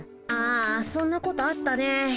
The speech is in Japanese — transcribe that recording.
あそんなことあったね。